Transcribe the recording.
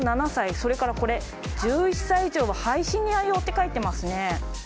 それからこれ１１歳以上はハイシニア用って書いてますね。